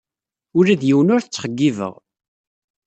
Ula d yiwen ur t-ttxeyyibeɣ.